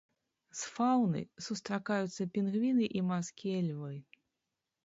З фаўны сустракаюцца пінгвіны і марскія львы.